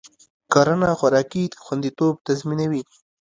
کرنه خوراکي خوندیتوب تضمینوي.